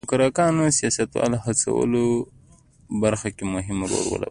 موکراکانو سیاستوالو هڅولو برخه کې مهم رول ولوباوه.